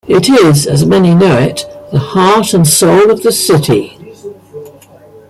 It is, as many know it, the heart and soul of the city.